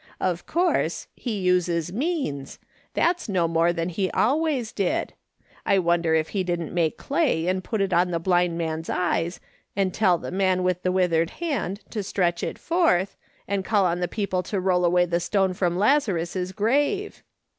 Of coUrse, he uses means ; that's no more than he always did. I wonder if he didn't make clay and put it ou the blind man's eyes, and tell the man with the withered hand to stretch it forth, and call on the people to roll away the stone from Lazarus' grave.